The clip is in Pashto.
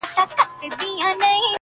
ته هم چا یې پر نزله باندي وهلی؟،